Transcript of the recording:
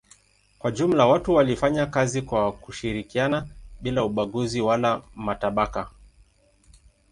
Kwa jumla watu walifanya kazi kwa kushirikiana bila ubaguzi wala matabaka.